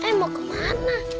eh mau kemana